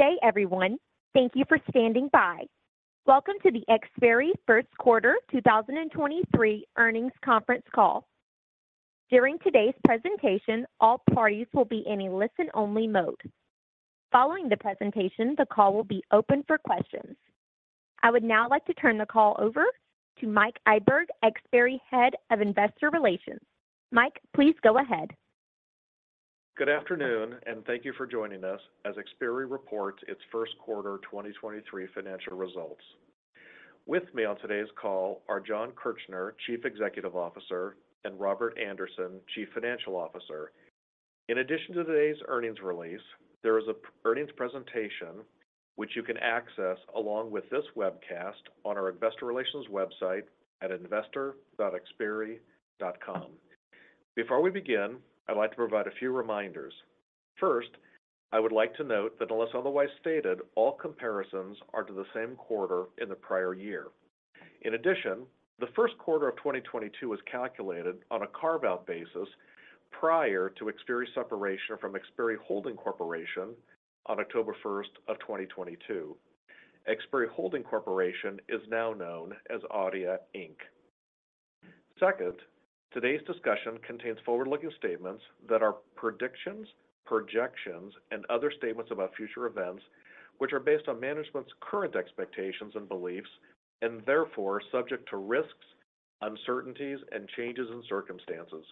Good day, everyone. Thank you for standing by. Welcome to the Xperi First Quarter 2023 Earnings Conference Call. During today's presentation, all parties will be in a listen-only mode. Following the presentation, the call will be open for questions. I would now like to turn the call over to Mike Iberg, Xperi Head of Investor Relations. Mike, please go ahead. Good afternoon. Thank you for joining us as Xperi reports its first quarter 2023 financial results. With me on today's call are Jon Kirchner, Chief Executive Officer, and Robert Andersen, Chief Financial Officer. In addition to today's earnings release, there is an earnings presentation which you can access along with this webcast on our investor relations website at investor.xperi.com. Before we begin, I'd like to provide a few reminders. First, I would like to note that unless otherwise stated, all comparisons are to the same quarter in the prior year. In addition, the first quarter of 2022 is calculated on a carve-out basis prior to Xperi's separation from Xperi Holding Corporation on October first of 2022. Xperi Holding Corporation is now known as Adeia Inc. Second, today's discussion contains forward-looking statements that are predictions, projections, and other statements about future events, which are based on management's current expectations and beliefs and therefore subject to risks, uncertainties, and changes in circumstances.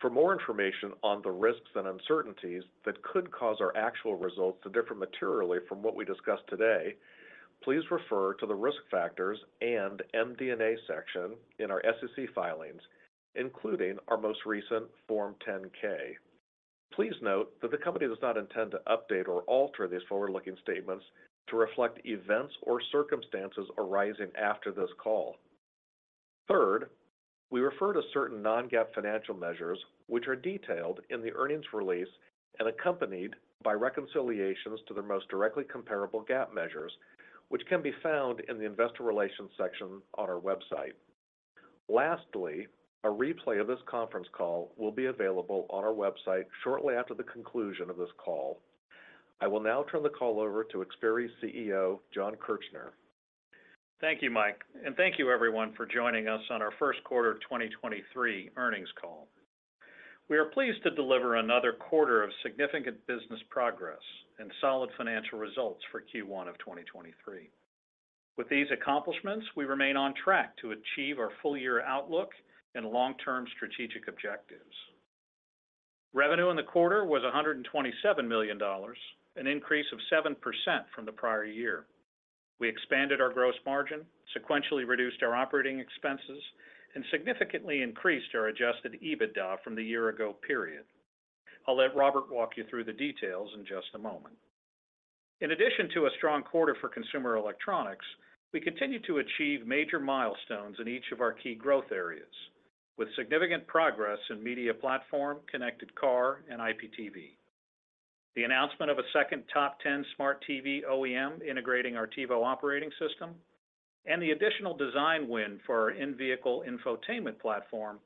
For more information on the risks and uncertainties that could cause our actual results to differ materially from what we discuss today, please refer to the Risk Factors and MD&A section in our SEC filings, including our most recent Form 10-K. Please note that the company does not intend to update or alter these forward-looking statements to reflect events or circumstances arising after this call. Third, we refer to certain non-GAAP financial measures, which are detailed in the earnings release and accompanied by reconciliations to their most directly comparable GAAP measures, which can be found in the Investor Relations section on our website. Lastly, a replay of this conference call will be available on our website shortly after the conclusion of this call. I will now turn the call over to Xperi's CEO, Jon Kirchner. Thank you, Mike, and thank you everyone for joining us on our first quarter 2023 earnings call. We are pleased to deliver another quarter of significant business progress and solid financial results for Q1 of 2023. With these accomplishments, we remain on track to achieve our full year outlook and long-term strategic objectives. Revenue in the quarter was $127 million, an increase of 7% from the year ago period. We expanded our gross margin, sequentially reduced our operating expenses, and significantly increased our adjusted EBITDA from the year ago period. I'll let Robert walk you through the details in just a moment. In addition to a strong quarter for consumer electronics, we continue to achieve major milestones in each of our key growth areas with significant progress in media platform, connected car, and IPTV. The announcement of a second top 10 smart TV OEM integrating our TiVo operating system and the additional design win for our in-vehicle infotainment platform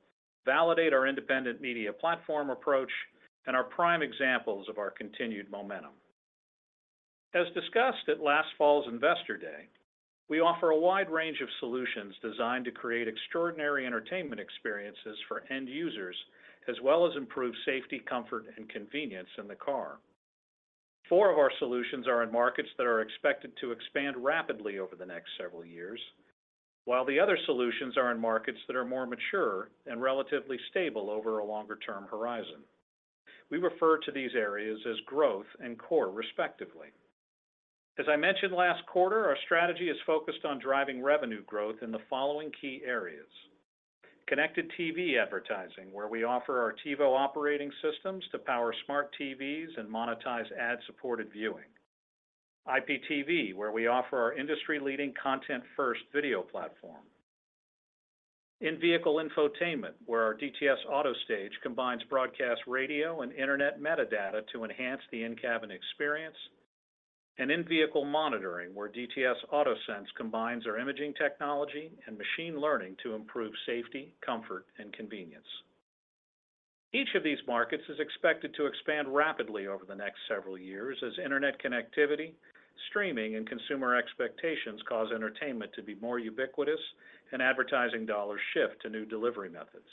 validate our independent media platform approach and are prime examples of our continued momentum. As discussed at last fall's Investor Day, we offer a wide range of solutions designed to create extraordinary entertainment experiences for end users, as well as improve safety, comfort, and convenience in the car. Four of our solutions are in markets that are expected to expand rapidly over the next several years, while the other solutions are in markets that are more mature and relatively stable over a longer-term horizon. We refer to these areas as growth and core respectively. As I mentioned last quarter, our strategy is focused on driving revenue growth in the following key areas. Connected TV advertising, where we offer our TiVo operating systems to power smart TVs and monetize ad-supported viewing. IPTV, where we offer our industry-leading content-first video platform. In-vehicle infotainment, where our DTS AutoStage combines broadcast radio and internet metadata to enhance the in-cabin experience. In-vehicle monitoring, where DTS AutoSense combines our imaging technology and machine learning to improve safety, comfort, and convenience. Each of these markets is expected to expand rapidly over the next several years as internet connectivity, streaming, and consumer expectations cause entertainment to be more ubiquitous and advertising dollars shift to new delivery methods.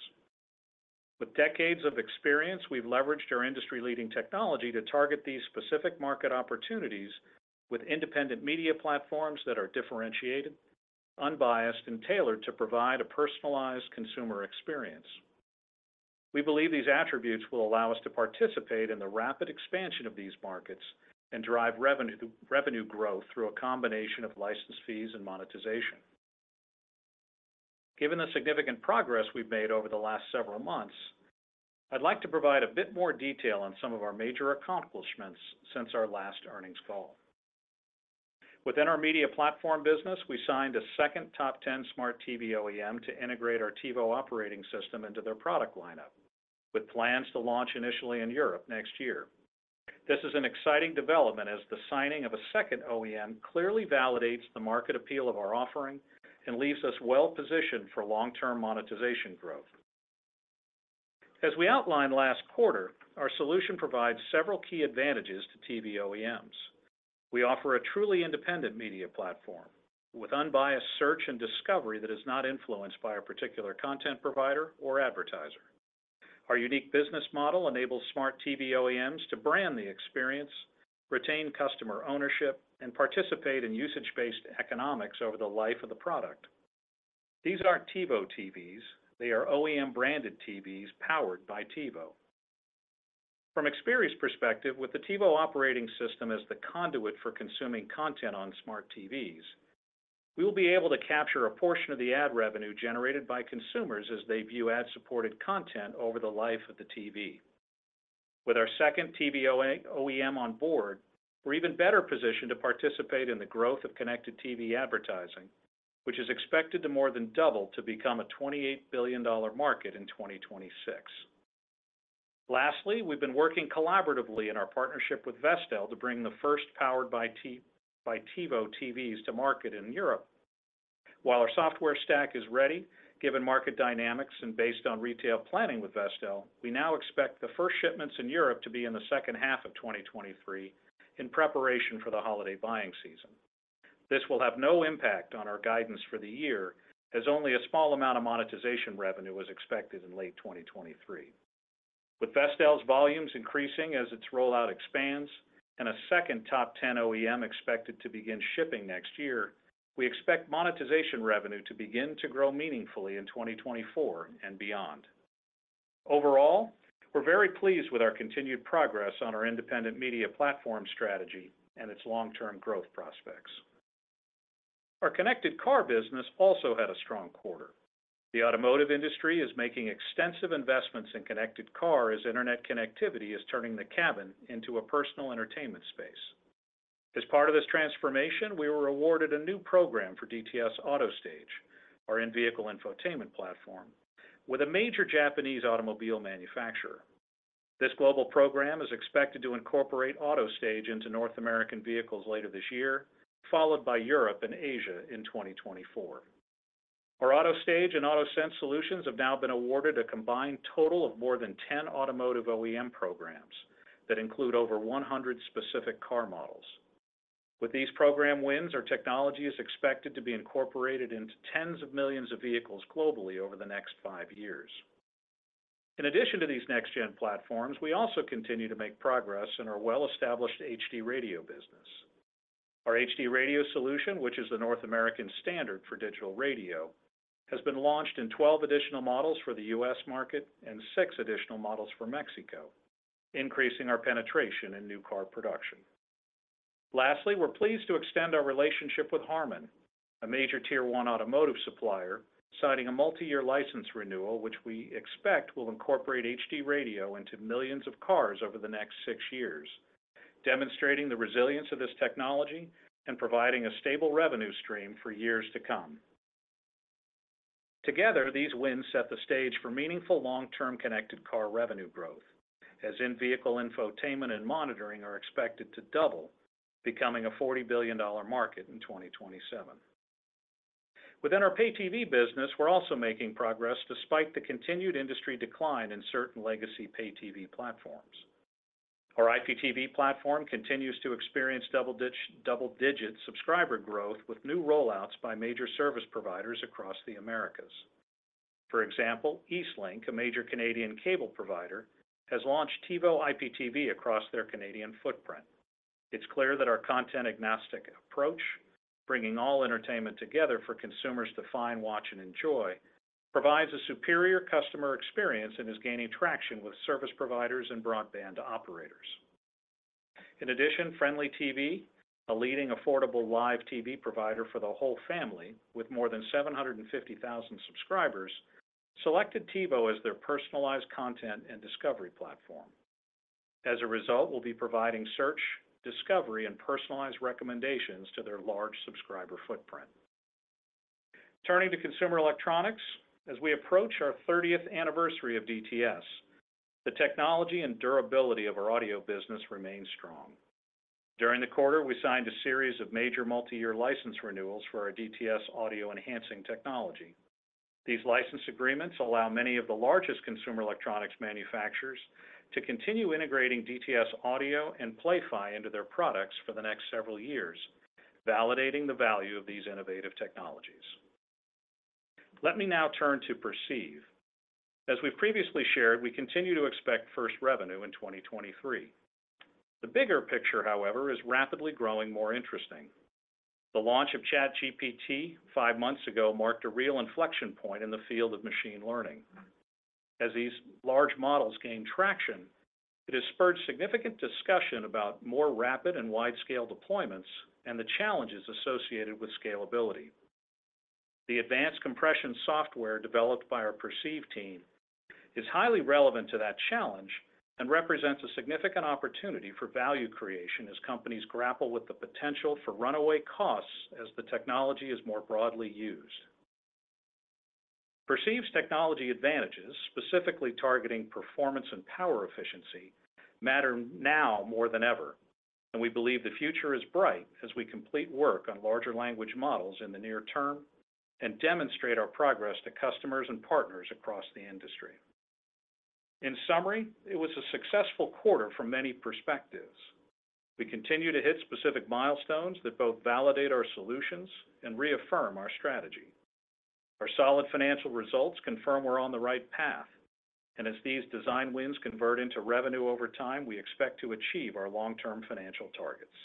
With decades of experience, we've leveraged our industry-leading technology to target these specific market opportunities with independent media platforms that are differentiated, unbiased, and tailored to provide a personalized consumer experience. We believe these attributes will allow us to participate in the rapid expansion of these markets and drive revenue growth through a combination of license fees and monetization. Given the significant progress we've made over the last several months, I'd like to provide a bit more detail on some of our major accomplishments since our last earnings call. Within our media platform business, we signed a second top 10 smart TV OEM to integrate our TiVo operating system into their product lineup with plans to launch initially in Europe next year. This is an exciting development as the signing of a second OEM clearly validates the market appeal of our offering and leaves us well-positioned for long-term monetization growth. As we outlined last quarter, our solution provides several key advantages to TV OEMs. We offer a truly independent media platform with unbiased search and discovery that is not influenced by a particular content provider or advertiser. Our unique business model enables smart TV OEMs to brand the experience, retain customer ownership, and participate in usage-based economics over the life of the product. These aren't TiVo TVs, they are OEM-branded TVs powered by TiVo. From Xperi's perspective, with the TiVo operating system as the conduit for consuming content on smart TVs, we will be able to capture a portion of the ad revenue generated by consumers as they view ad-supported content over the life of the TV. With our second TV OEM on board, we're even better positioned to participate in the growth of connected TV advertising, which is expected to more than double to become a $28 billion market in 2026. Lastly, we've been working collaboratively in our partnership with Vestel to bring the first powered by TiVo TVs to market in Europe. While our software stack is ready, given market dynamics and based on retail planning with Vestel, we now expect the first shipments in Europe to be in the second half of 2023 in preparation for the holiday buying season. This will have no impact on our guidance for the year, as only a small amount of monetization revenue was expected in late 2023. With Vestel's volumes increasing as its rollout expands and a second top 10 OEM expected to begin shipping next year, we expect monetization revenue to begin to grow meaningfully in 2024 and beyond. Overall, we're very pleased with our continued progress on our independent media platform strategy and its long-term growth prospects. Our connected car business also had a strong quarter. The automotive industry is making extensive investments in connected car, as internet connectivity is turning the cabin into a personal entertainment space. As part of this transformation, we were awarded a new program for DTS AutoStage, our in-vehicle infotainment platform, with a major Japanese automobile manufacturer. This global program is expected to incorporate AutoStage into North American vehicles later this year, followed by Europe and Asia in 2024. Our AutoStage and Auto Sense solutions have now been awarded a combined total of more than 10 automotive OEM programs that include over 100 specific car models. With these program wins, our technology is expected to be incorporated into tens of millions of vehicles globally over the next five years. In addition to these next-gen platforms, we also continue to make progress in our well-established HD Radio business. Our HD Radio solution, which is the North American standard for digital radio, has been launched in 12 additional models for the U.S. market and six additional models for Mexico, increasing our penetration in new car production. Lastly, we're pleased to extend our relationship with HARMAN, a major tier one automotive supplier, signing a multi-year license renewal, which we expect will incorporate HD Radio into millions of cars over the next six years, demonstrating the resilience of this technology and providing a stable revenue stream for years to come. Together, these wins set the stage for meaningful long-term connected car revenue growth, as in-vehicle infotainment and monitoring are expected to double, becoming a $40 billion market in 2027. Within our pay TV business, we're also making progress despite the continued industry decline in certain legacy pay TV platforms. Our IPTV platform continues to experience double-digit subscriber growth with new rollouts by major service providers across the Americas. Eastlink, a major Canadian cable provider, has launched TiVo IPTV across their Canadian footprint. It's clear that our content-agnostic approach, bringing all entertainment together for consumers to find, watch, and enjoy, provides a superior customer experience and is gaining traction with service providers and broadband operators. Frndly TV, a leading affordable live TV provider for the whole family with more than 750,000 subscribers, selected TiVo as their personalized content and discovery platform. We'll be providing search, discovery, and personalized recommendations to their large subscriber footprint. Turning to consumer electronics, as we approach our thirtieth anniversary of DTS, the technology and durability of our audio business remains strong. During the quarter, we signed a series of major multi-year license renewals for our DTS audio-enhancing technology. These license agreements allow many of the largest consumer electronics manufacturers to continue integrating DTS audio and Play-Fi into their products for the next several years, validating the value of these innovative technologies. Let me now turn to Perceive. As we've previously shared, we continue to expect first revenue in 2023. The bigger picture, however, is rapidly growing more interesting. The launch of ChatGPT 5 months ago marked a real inflection point in the field of machine learning. As these large models gain traction, it has spurred significant discussion about more rapid and wide-scale deployments and the challenges associated with scalability. The advanced compression software developed by our Perceive team is highly relevant to that challenge and represents a significant opportunity for value creation as companies grapple with the potential for runaway costs as the technology is more broadly used. Perceive's technology advantages, specifically targeting performance and power efficiency, matter now more than ever, and we believe the future is bright as we complete work on larger language models in the near term. Demonstrate our progress to customers and partners across the industry. In summary, it was a successful quarter from many perspectives. We continue to hit specific milestones that both validate our solutions and reaffirm our strategy. Our solid financial results confirm we're on the right path. As these design wins convert into revenue over time, we expect to achieve our long-term financial targets.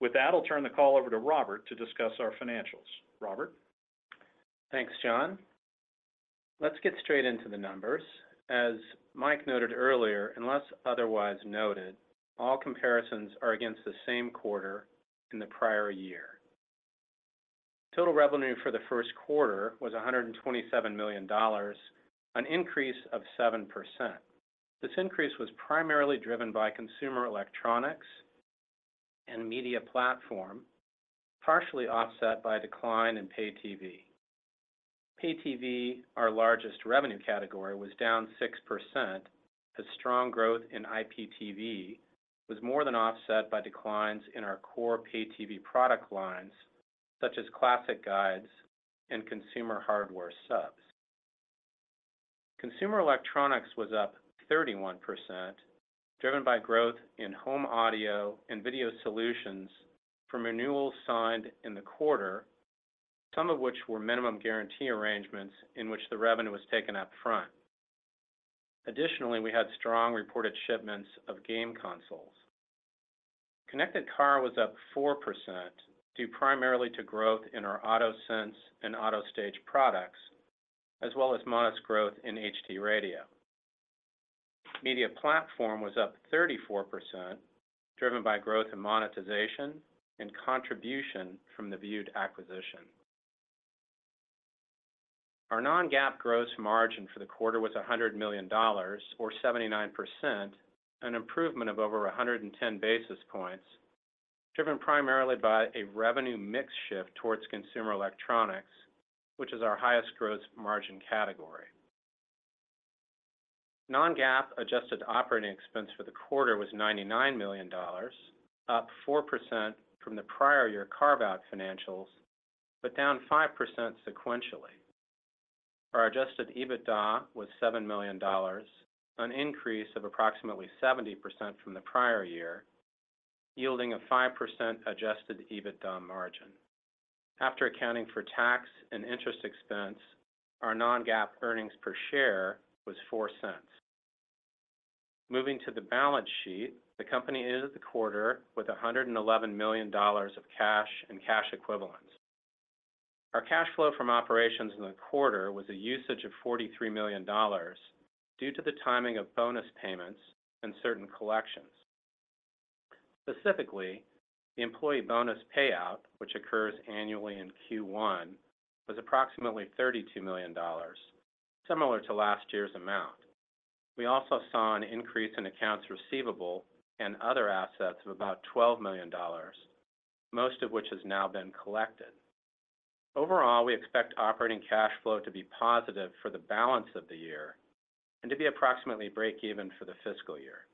With that, I'll turn the call over to Robert to discuss our financials. Robert? Thanks, Jon. Let's get straight into the numbers. As Mike noted earlier, unless otherwise noted, all comparisons are against the same quarter in the prior year. Total revenue for the first quarter was $127 million, an increase of 7%. This increase was primarily driven by consumer electronics and media platform, partially offset by decline in Pay TV. Pay TV, our largest revenue category, was down 6% as strong growth in IPTV was more than offset by declines in our core Pay TV product lines, such as classic guides and consumer hardware subs. Consumer electronics was up 31%, driven by growth in home audio and video solutions from renewals signed in the quarter, some of which were minimum guarantee arrangements in which the revenue was taken up front. Additionally, we had strong reported shipments of game consoles. Connected car was up 4% due primarily to growth in our DTS AutoSense and DTS AutoStage products, as well as modest growth in HD Radio. Media platform was up 34%, driven by growth in monetization and contribution from the Vewd acquisition. Our non-GAAP gross margin for the quarter was $100 million or 79%, an improvement of over 110 basis points, driven primarily by a revenue mix shift towards consumer electronics, which is our highest gross margin category. Non-GAAP adjusted operating expense for the quarter was $99 million, up 4% from the prior year carve-out financials, down 5% sequentially. Our adjusted EBITDA was $7 million, an increase of approximately 70% from the prior year, yielding a 5% adjusted EBITDA margin. After accounting for tax and interest expense, our non-GAAP earnings per share was $0.04. Moving to the balance sheet, the company ended the quarter with $111 million of cash and cash equivalents. Our cash flow from operations in the quarter was a usage of $43 million due to the timing of bonus payments and certain collections. Specifically, the employee bonus payout, which occurs annually in Q1, was approximately $32 million, similar to last year's amount. We also saw an increase in accounts receivable and other assets of about $12 million, most of which has now been collected. Overall, we expect operating cash flow to be positive for the balance of the year and to be approximately break even for the fiscal year.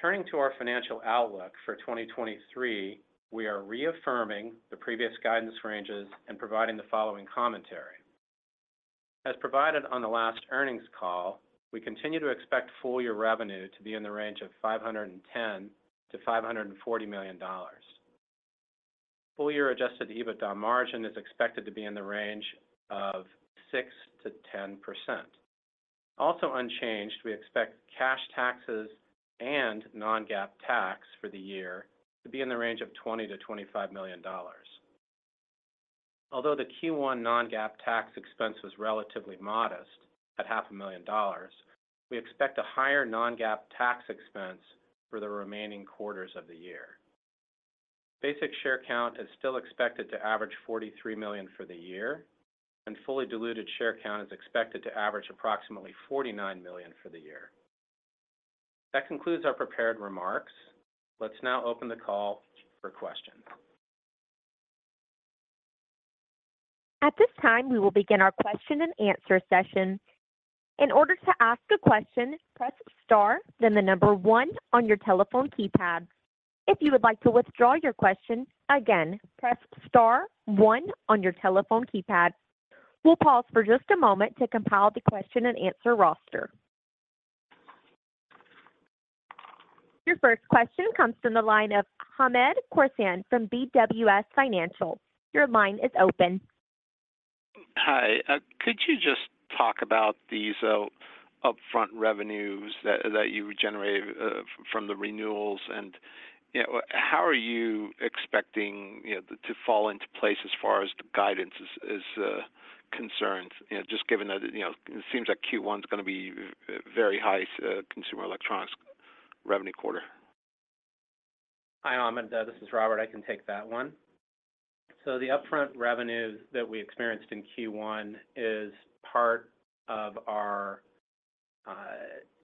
Turning to our financial outlook for 2023, we are reaffirming the previous guidance ranges and providing the following commentary. As provided on the last earnings call, we continue to expect full year revenue to be in the range of $510 million-$540 million. Full year adjusted EBITDA margin is expected to be in the range of 6%-10%. Also unchanged, we expect cash taxes and non-GAAP tax for the year to be in the range of $20 million-$25 million. Although the Q1 non-GAAP tax expense was relatively modest at half a million dollars, we expect a higher non-GAAP tax expense for the remaining quarters of the year. Basic share count is still expected to average 43 million for the year, and fully diluted share count is expected to average approximately 49 million for the year. That concludes our prepared remarks. Let's now open the call for questions. At this time, we will begin our question and answer session. In order to ask a question, press star, then 1 on your telephone keypad. If you would like to withdraw your question, again, press star one on your telephone keypad. We'll pause for just a moment to compile the question-and-answer roster. Your first question comes from the line of Hamed Khorsand from BWS Financial. Your line is open. Hi. Could you just talk about these upfront revenues that you generated from the renewals? How are you expecting, you know, to fall into place as far as the guidance is concerned? You know, just given that, you know, it seems like Q1 is gonna be a very high consumer electronics revenue quarter. Hi, Hamed, this is Robert. I can take that one. The upfront revenues that we experienced in Q1 is part of our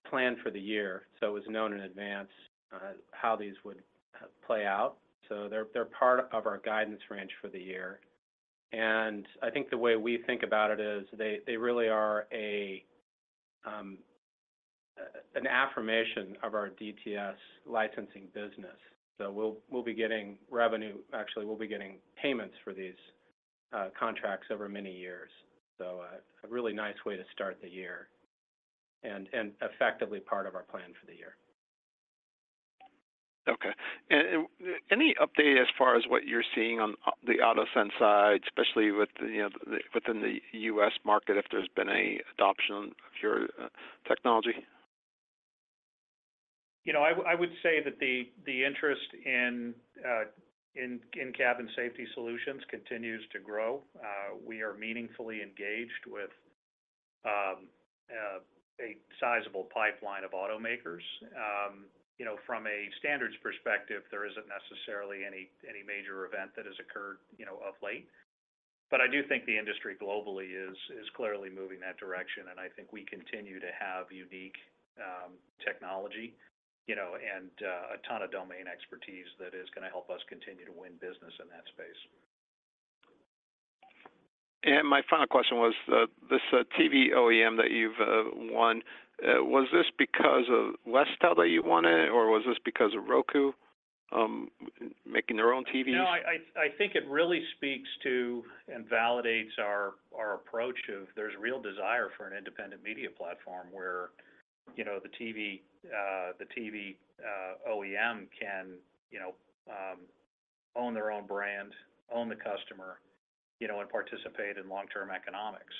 plan for the year. It was known in advance how these would play out. They're part of our guidance range for the year. I think the way we think about it is they really are a. An affirmation of our DTS licensing business. We'll be getting revenue. Actually, we'll be getting payments for these contracts over many years. A really nice way to start the year and effectively part of our plan for the year. Okay. Any update as far as what you're seeing on, the DTS AutoSense side, especially with, you know, within the U.S. market, if there's been a adoption of your technology? You know, I would say that the interest in in-cabin safety solutions continues to grow. We are meaningfully engaged with a sizable pipeline of automakers. You know, from a standards perspective, there isn't necessarily any major event that has occurred, you know, of late. I do think the industry globally is clearly moving that direction, and I think we continue to have unique technology, you know, and a ton of domain expertise that is gonna help us continue to win business in that space. My final question was, this TV OEM that you've won, was this because of Vestel that you won it, or was this because of Roku making their own TVs? No, I think it really speaks to and validates our approach of there's real desire for an independent media platform where, you know, the TV OEM can, you know, own their own brand, own the customer, you know, and participate in long-term economics.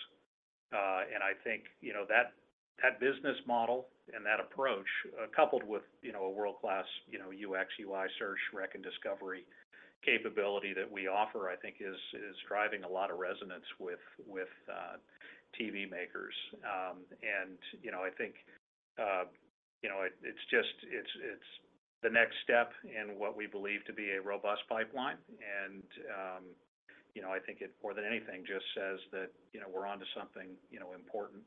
I think, you know, that business model and that approach, coupled with, you know, a world-class, you know, UX, UI search, rec and discovery capability that we offer, is driving a lot of resonance with TV makers. And, you know, I think, you know, it's the next step in what we believe to be a robust pipeline. you know, I think it more than anything just says that, you know, we're onto something, you know, important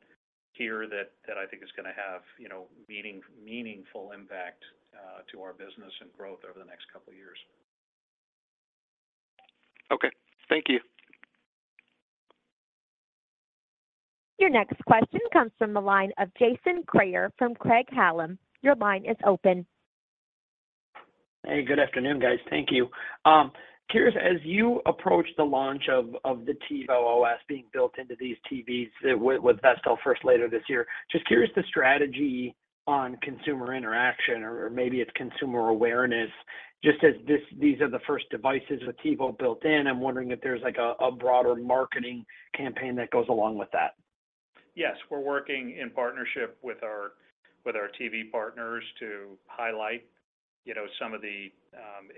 here that I think is gonna have, you know, meaningful impact to our business and growth over the next couple of years. Okay. Thank you. Your next question comes from the line of Jason Kreyer from Craig-Hallum. Your line is open. Good afternoon, guys. Thank you. Curious, as you approach the launch of the TiVo OS being built into these TVs with Vestel first later this year, just curious the strategy on consumer interaction or maybe it's consumer awareness. Just as these are the first devices with TiVo built in, I'm wondering if there's like a broader marketing campaign that goes along with that? Yes. We're working in partnership with our, with our TV partners to highlight, you know, some of the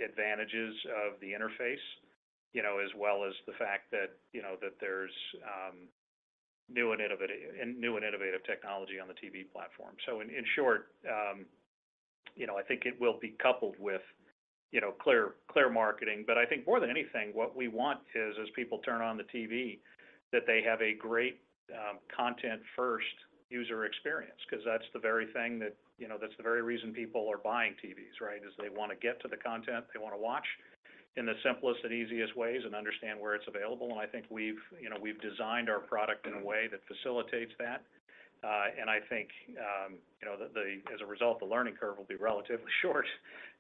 advantages of the interface, you know, as well as the fact that, you know, that there's new and innovative technology on the TV platform. In, in short, you know, I think it will be coupled with, you know, clear marketing. I think more than anything, what we want is as people turn on the TV, that they have a great content-first user experience, 'cause that's the very thing that, you know, that's the very reason people are buying TVs, right? Is they wanna get to the content they wanna watch in the simplest and easiest ways and understand where it's available. I think we've, you know, we've designed our product in a way that facilitates that. I think, you know, as a result, the learning curve will be relatively short.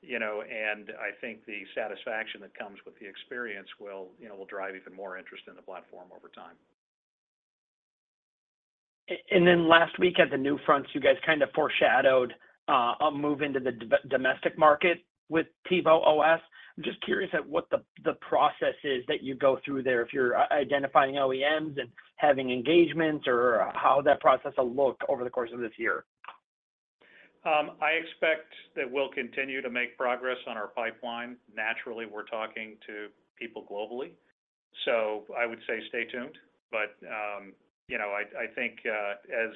I think the satisfaction that comes with the experience will, you know, will drive even more interest in the platform over time. Then last week at the NewFronts, you guys kind of foreshadowed a move into the domestic market with TiVo OS. I'm just curious at what the process is that you go through there if you're identifying OEMs and having engagements or how that process will look over the course of this year? I expect that we'll continue to make progress on our pipeline. Naturally, we're talking to people globally, so I would say stay tuned. You know, I think, as,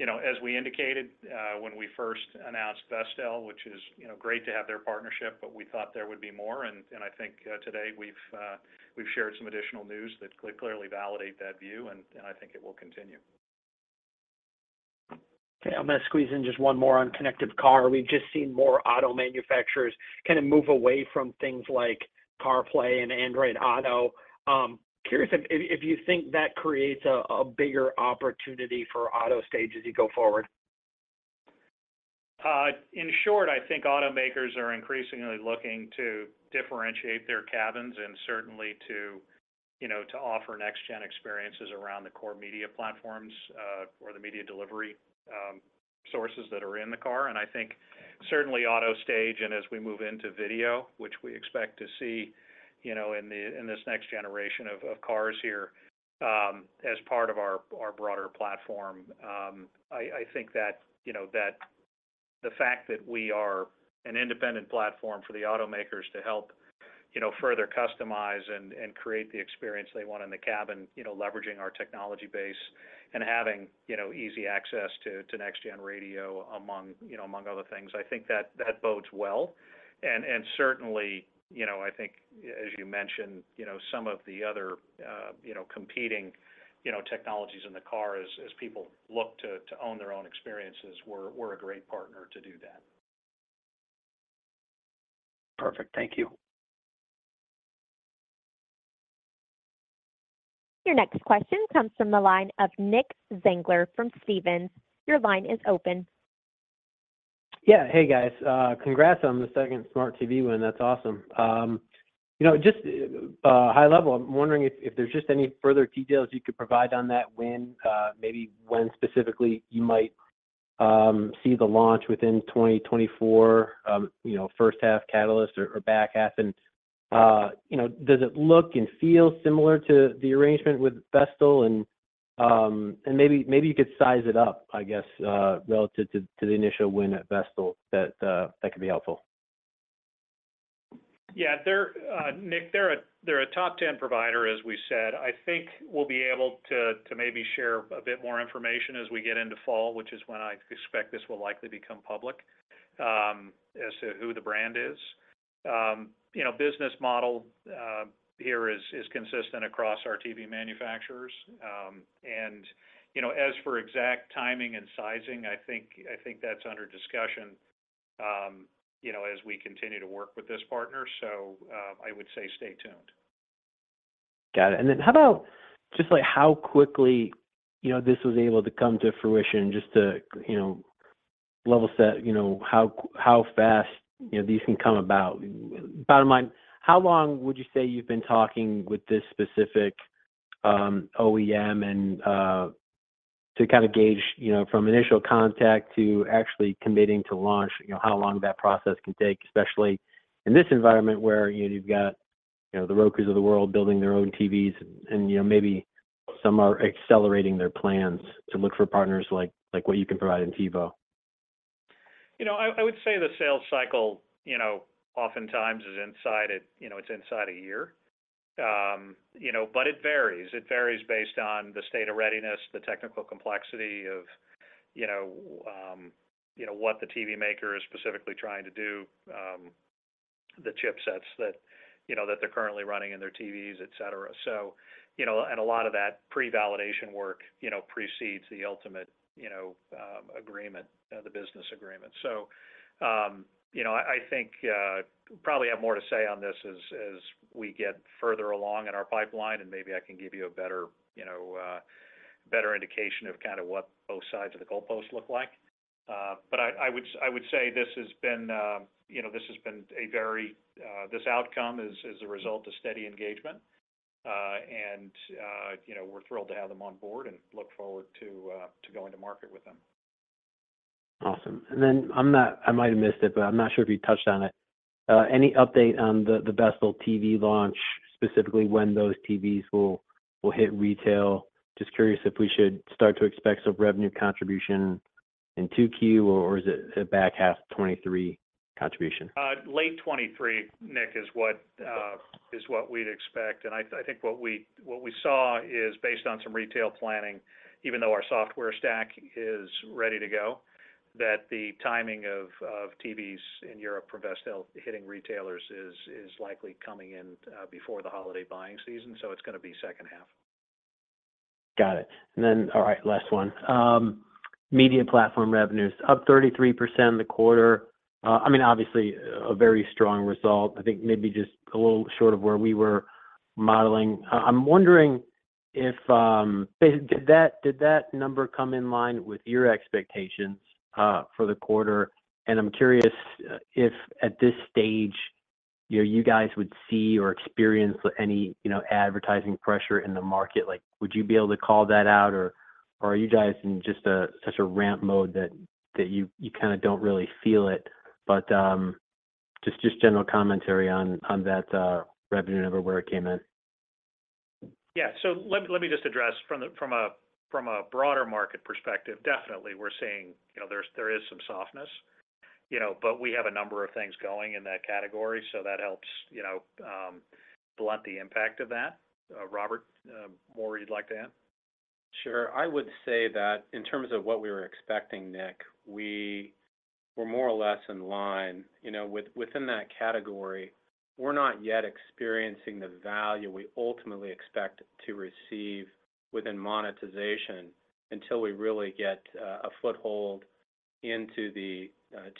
you know, as we indicated, when we first announced Vestel, which is, you know, great to have their partnership, but we thought there would be more. I think, today we've shared some additional news that clearly validate that view, and I think it will continue. Okay. I'm gonna squeeze in just one more on connected car. We've just seen more auto manufacturers kind of move away from things like CarPlay and Android Auto. Curious if you think that creates a bigger opportunity for AutoStage as you go forward? In short, I think automakers are increasingly looking to differentiate their cabins and certainly to, you know, to offer next-gen experiences around the core media platforms, or the media delivery sources that are in the car. I think certainly AutoStage and as we move into video, which we expect to see, you know, in this next generation of cars here, as part of our broader platform, I think that, you know, that the fact that we are an independent platform for the automakers to help, you know, further customize and create the experience they want in the cabin, you know, leveraging our technology base and having, you know, easy access to next-gen radio among, you know, among other things, I think that bodes well. Certainly, you know, I think as you mentioned, you know, some of the other, you know, competing, you know, technologies in the car as people look to own their own experiences, we're a great partner to do that. Perfect. Thank you. Your next question comes from the line of Nicholas Zangler from Stephens. Your line is open. Yeah. Hey, guys. Congrats on the second smart TV win. That's awesome. You know, just high level, I'm wondering if there's just any further details you could provide on that win, maybe when specifically you might see the launch within 2024, you know, first half catalyst or back half, and you know, does it look and feel similar to the arrangement with Vestel, and maybe you could size it up, I guess, relative to the initial win at Vestel that could be helpful? Yeah. They're, Nick, they're a top 10 provider, as we said. I think we'll be able to maybe share a bit more information as we get into fall, which is when I expect this will likely become public, as to who the brand is. You know, business model here is consistent across our TV manufacturers. And, you know, as for exact timing and sizing, I think that's under discussion, you know, as we continue to work with this partner. I would say stay tuned. Got it. How about just like how quickly, you know, this was able to come to fruition just to, you know, level set, you know, how fast, you know, these can come about. Bottom line, how long would you say you've been talking with this specific OEM and to kind of gauge, you know, from initial contact to actually committing to launch, you know, how long that process can take, especially in this environment where, you know, you've got, you know, the Rokus of the world building their own TVs and, you know, maybe some are accelerating their plans to look for partners like what you can provide in TiVo? You know, I would say the sales cycle, you know, oftentimes is inside a year. You know, but it varies. It varies based on the state of readiness, the technical complexity of, you know, what the TV maker is specifically trying to do, the chipsets that, you know, that they're currently running in their TVs, etc. You know, and a lot of that pre-validation work, you know, precedes the ultimate, you know, agreement, the business agreement. You know, I think, probably have more to say on this as we get further along in our pipeline, and maybe I can give you a better, you know, better indication of kind of what both sides of the goalpost look like. I would say, you know, this outcome is a result of steady engagement. You know, we're thrilled to have them on board and look forward to going to market with them. Awesome. I might have missed it, but I'm not sure if you touched on it. Any update on the Vestel TV launch, specifically when those TVs will hit retail? Just curious if we should start to expect some revenue contribution in 2Q or is it a back half 23 contribution? late 23, Nick, is what we'd expect. I think what we saw is based on some retail planning, even though our software stack is ready to go, that the timing of TVs in Europe for Vestel hitting retailers is likely coming in before the holiday buying season. it's gonna be second half. Got it. All right, last one. media platform revenues up 33% in the quarter. I mean, obviously a very strong result. I think maybe just a little short of where we were modeling. I'm wondering if did that number come in line with your expectations for the quarter? And I'm curious if at this stage, you know, you guys would see or experience any, you know, advertising pressure in the market. Like, would you be able to call that out or are you guys in just a such a ramp mode that you kinda don't really feel it? Just general commentary on that revenue number where it came in. Yeah. Let me just address from a broader market perspective, definitely we're seeing, you know, there's, there is some softness, you know. We have a number of things going in that category, so that helps, you know, blunt the impact of that. Robert, more you'd like to add? Sure. I would say that in terms of what we were expecting, Nick, we were more or less in line. You know, within that category we're not yet experiencing the value we ultimately expect to receive within monetization until we really get a foothold into the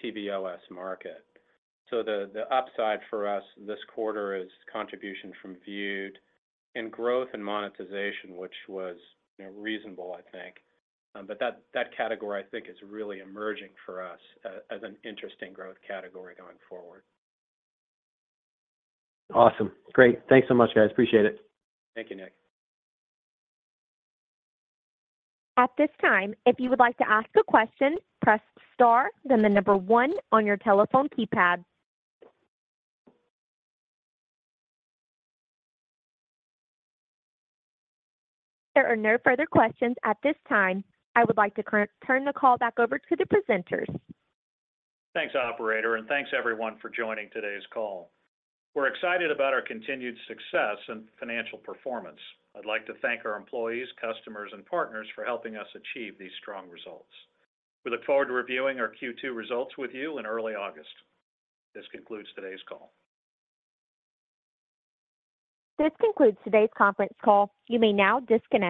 TiVo OS market. The, the upside for us this quarter is contribution from Vewd and growth and monetization, which was, you know, reasonable I think. That, that category I think is really emerging for us as an interesting growth category going forward. Awesome. Great. Thanks so much, guys. Appreciate it. Thank you, Nick. At this time, if you would like to ask a question, press star, then the number 1 on your telephone keypad. There are no further questions at this time. I would like to turn the call back over to the presenters. Thanks, operator, and thanks everyone for joining today's call. We're excited about our continued success and financial performance. I'd like to thank our employees, customers, and partners for helping us achieve these strong results. We look forward to reviewing our Q2 results with you in early August. This concludes today's call. This concludes today's conference call. You may now disconnect.